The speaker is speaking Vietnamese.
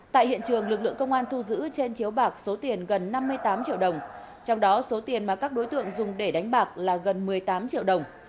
tại hiện trường lực lượng công an thu giữ trên chiếu bạc số tiền gần năm mươi tám triệu đồng trong đó số tiền mà các đối tượng dùng để đánh bạc là gần một mươi tám triệu đồng